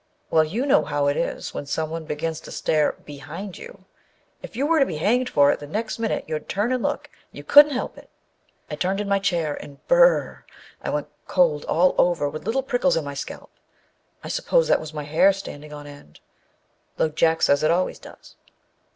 Well, you know how it is when someone begins to stare behind you â if you were to be hanged for it the next minute, you'd turn and look. You couldn't help it. I turned in my chair, and â br r r r ! I went cold all over, with little prickles in my scalp. (I suppose that was my hair standing on end, though Jack says it always does.)